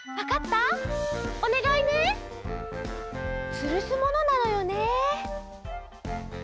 つるすものなのよね。